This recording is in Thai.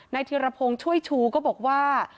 ในทีระพงช่วยชูก็บอกว่า